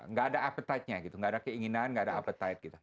nggak ada appetite nya gitu nggak ada keinginan nggak ada appetite gitu